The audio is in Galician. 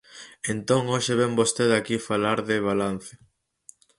Entón hoxe vén vostede aquí falar de balance.